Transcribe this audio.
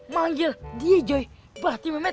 manggil dia joy berarti